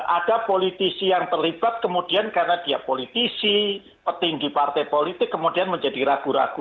ada politisi yang terlibat kemudian karena dia politisi petinggi partai politik kemudian menjadi ragu ragu